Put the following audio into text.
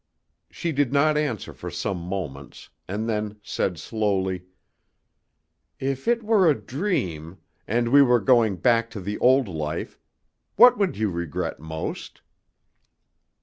She did not answer for some moments, and then said slowly, "If it were a dream, and we were going back to the old life, what would you regret most?"